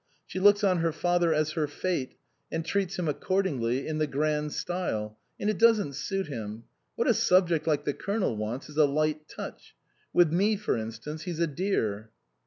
She looks on her father as her fate, and treats him accordingly in the grand style and it doesn't suit him. What a subject like the Colonel wants is a light touch. With me, for instance, he's a dear."